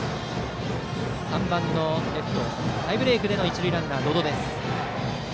３番のレフト、タイブレークでの一塁ランナー、百々。